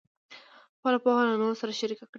خپله پوهه له نورو سره شریکه کړئ.